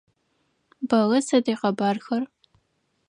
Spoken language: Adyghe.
Бэллэ сыд икъэбархэр?